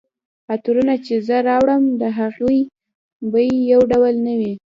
عطرونه چي زه راوړم د هغوی بیي یو ډول نه وي